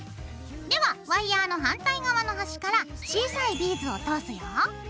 ではワイヤーの反対側の端から小さいビーズを通すよ。